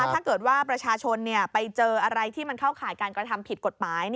ถ้าเกิดว่าประชาชนไปเจออะไรที่มันเข้าข่ายการกระทำผิดกฎหมาย